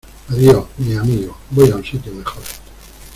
Adiós, mis amigos. Voy a un sitio mejor .